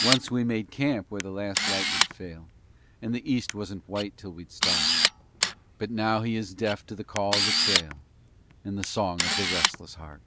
Once we made camp where the last light would fail And the east wasn't white till we'd start, But now he is deaf to the call of the trail And the song of the restless heart.